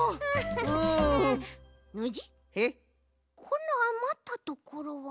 このあまったところは。